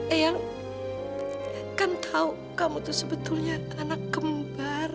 eyang kan tahu kamu tuh sebetulnya anak kembar